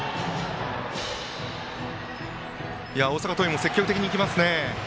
大阪桐蔭も積極的にいきますね。